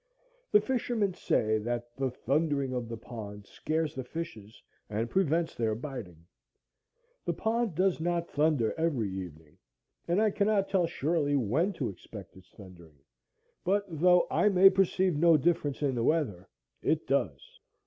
The fishermen say that the "thundering of the pond" scares the fishes and prevents their biting. The pond does not thunder every evening, and I cannot tell surely when to expect its thundering; but though I may perceive no difference in the weather, it does.